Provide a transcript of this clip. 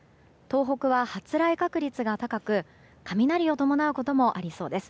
東北は発雷確率が高く雷を伴うこともありそうです。